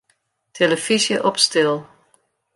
Tillefyzje op stil.